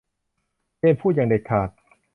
เจนพูดอย่างเด็ดขาด